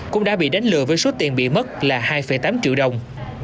cũng đã bị đánh lừa với số tiền bị mất là hai tám triệu đồng